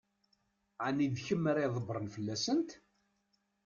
Ɛni d kemm ara ydebbṛen fell-asent?